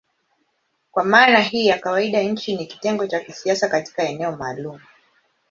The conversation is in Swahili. Kwa maana hii ya kawaida nchi ni kitengo cha kisiasa katika eneo maalumu.